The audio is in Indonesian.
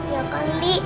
ya kan li